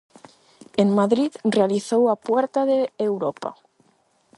En Madrid realizou a Puerta de Europa.